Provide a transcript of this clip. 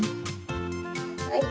はい。